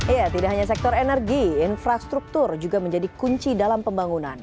iya tidak hanya sektor energi infrastruktur juga menjadi kunci dalam pembangunan